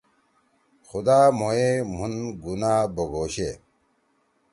خُدا مھوئے مُھن گناہ بوگوشے۔